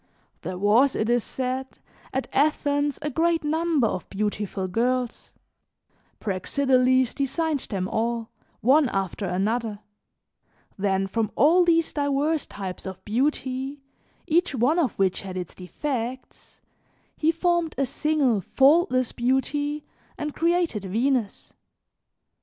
There was, it is said, at Athens a great number of beautiful girls; Praxiteles designed them all, one after another; then from all these diverse types of beauty, each one of which had its defects, he formed a single faultless beauty and created Venus.